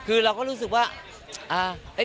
คือเราก็รู้สึกว่า